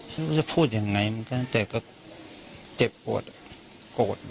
เขาจะพูดยังไงมันกันแต่ก็เจ็บโปรดอ่ะกรกกดด้วย